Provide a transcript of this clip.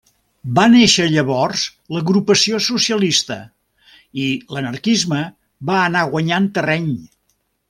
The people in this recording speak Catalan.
Va néixer llavors l'Agrupació Socialista i l'anarquisme va anar guanyant terreny.